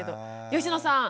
吉野さん